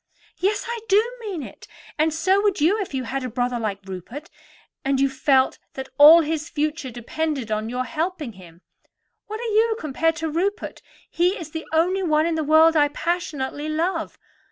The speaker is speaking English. "Yes, I do mean it; and so would you if you had a brother like Rupert, and you felt that all his future depended on your helping him. What are you compared to Rupert? He is the only one in the world I passionately love.